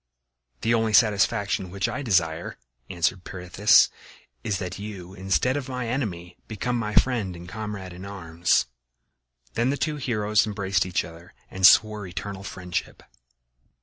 "The only satisfaction which I desire," answered Pirithous, "is that you instead of my enemy become my friend and comrade in arms." Then the two heroes embraced each other and swore eternal friendship.